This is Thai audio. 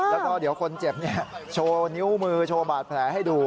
แล้วก็เดี๋ยวคนเจ็บโชว์นิ้วมือโชว์บาดแผลให้ดู